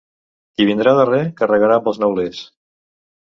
Qui vindrà darrer carregarà amb els neulers.